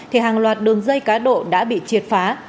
thì hàng loạt đường dây cá độ đã bị triệt phá